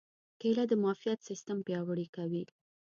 کېله د معافیت سیستم پیاوړی کوي.